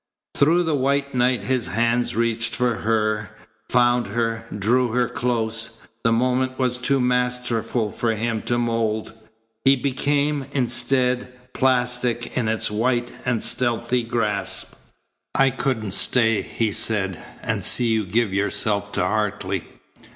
Through the white night his hands reached for her, found her, drew her close. The moment was too masterful for him to mould. He became, instead, plastic in its white and stealthy grasp. "I couldn't stay," he said, "and see you give yourself to Hartley."